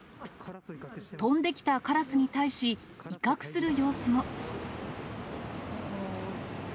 飛んできたカラスに対し、威嚇する様子も。